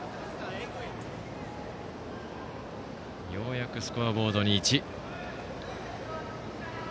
ようやくスコアボードに１。